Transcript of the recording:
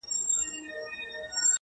خدايه زه ستا د طبيعت په شاوخوا مئين يم’